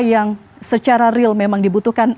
yang secara real memang dibutuhkan